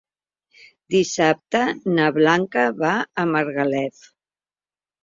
Dissabte na Blanca va a Margalef.